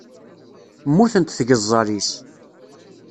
Mmutent tgeẓẓal-is.